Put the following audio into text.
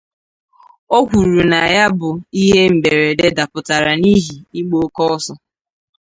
O kwuru na ya bụ ihe mberede dapụtara n'ihi ịgba oke ọsọ